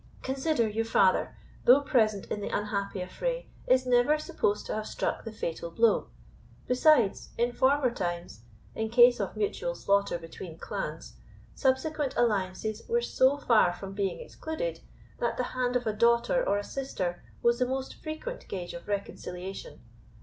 "Consider, your father, though present in the unhappy affray, is never supposed to have struck the fatal blow; besides, in former times, in case of mutual slaughter between clans, subsequent alliances were so far from being excluded, that the hand of a daughter or a sister was the most frequent gage of reconciliation.